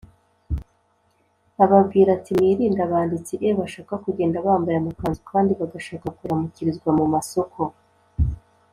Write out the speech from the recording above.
Ababwira ati mwirinde abanditsi e bashaka kugenda bambaye amakanzu kandi bagashaka kuramukirizwa mu masoko